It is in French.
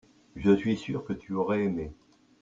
je suis sûr que tu aurais aimé.